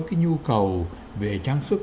cái nhu cầu về trang sức